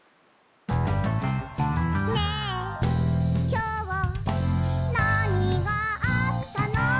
「ねえ、きょう、なにがあったの？」